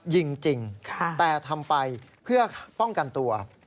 ยิงจริงแต่ทำไปเพื่อป้องกันตัว